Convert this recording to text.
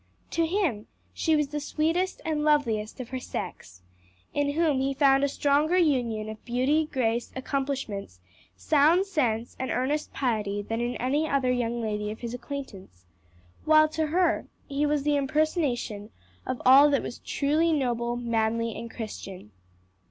To him she was the sweetest and loveliest of her sex, in whom he found a stronger union of beauty, grace, accomplishments, sound sense and earnest piety than in any other young lady of his acquaintance; while to her he was the impersonation of all that was truly noble, manly and Christian.